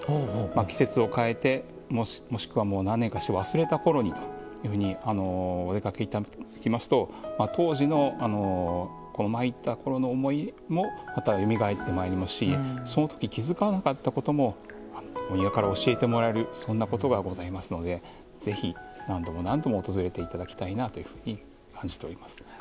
季節を変えてもしくは何年かして忘れたころにお出かけいただきますと当時の参ったころの思いもまたよみがえってまいりますしその時、気付かなかったこともお庭から教えてもらえるそんなことがございますのでぜひ何度も何度も訪れていただきたいなと感じています。